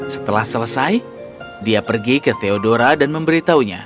setelah selesai dia pergi ke theodora dan memberitahunya